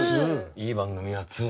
いい番組は２。